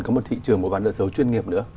có một thị trường mua bán nợ xấu chuyên nghiệp nữa